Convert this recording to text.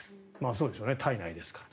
そうでしょうね、体内ですから。